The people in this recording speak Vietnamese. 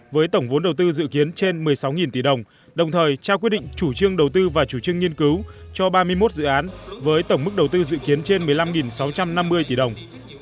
với tổng vốn đầu tư dự kiến trên một mươi sáu tỷ đồng đồng thời trao quyết định chủ trương đầu tư và chủ trương nghiên cứu cho ba mươi một dự án với tổng mức đầu tư dự kiến trên một mươi năm sáu trăm năm mươi tỷ đồng